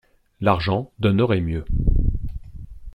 L'argent donnerait mieux.